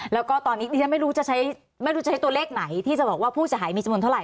แล้วก็ตอนนี้ไม่รู้จะใช้ตัวเลขไหนที่จะบอกว่าผู้เสียหายมีจำนวนเท่าไหร่